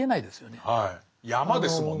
はい山ですもんね。